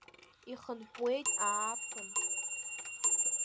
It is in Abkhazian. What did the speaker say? Ихынҳәуеит ааԥын.